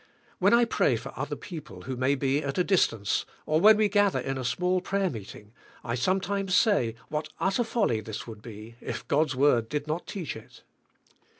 When I pray for other people who may be at a dis tance, or when we gather in a small prayer meeting, I sometimes say, what utter folly this would be if God's word did not teach it.